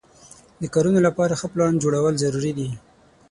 د کارونو لپاره ښه پلان جوړول ضروري دي.